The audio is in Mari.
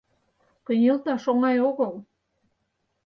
Кынелташ оҥай огыл.